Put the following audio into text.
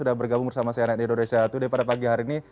sudah bergabung bersama cnn indonesia today pada pagi hari ini